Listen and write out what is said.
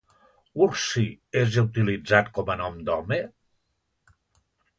Urtzi és utilitzat com a nom d'home?